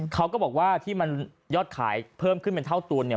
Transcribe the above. เขาก็บอกว่าที่มันยอดขายเพิ่มขึ้นเป็นเท่าตัวเนี่ย